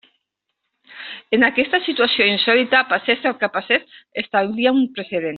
En aquesta situació insòlita, passés el que passés establia un precedent.